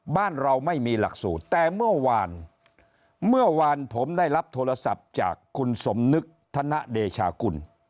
บ้านเราไม่มีหลักสูตรแต่เมื่อวานเมื่อวานผมได้รับโทรศัพท์จากคุณสมนึกธนเดชากุล